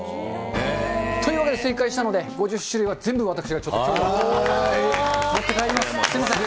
というわけで正解したので、５０種類は全部私がちょっときょうは持って帰ります、すみません。